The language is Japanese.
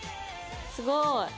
すごい！